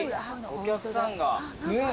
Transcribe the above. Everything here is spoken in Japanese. お客さんが。